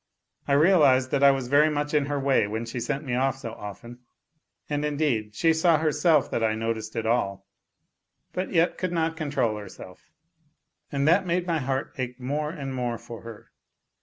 I realized that I was very much in her way when she sent me off so often, and, indeed, she saw herself that I noticed it all, but yet could not control herself, and that made my heart ache more and more for her.